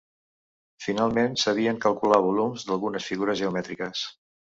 Finalment sabien calcular volums d'algunes figures geomètriques.